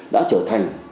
đã trở thành